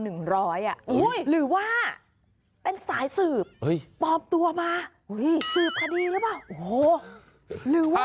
หรือว่าเป็นสายสืบปลอมตัวมาสืบพอดีหรือเปล่า